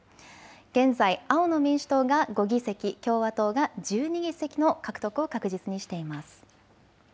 現在青の民主党が５議席、共和党が１２議席の獲得を確実にしています。